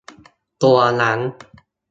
ตัวนั้น